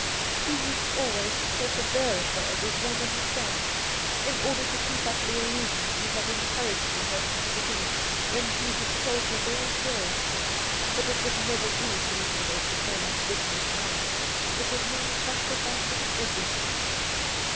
He used always to talk of their affairs as one and the same, in order to keep up the illusion he had encouraged in her from the beginning when he had told her very seriously that ' it would never do to liquidate the firm's business now. It would mean sacrificing everything.'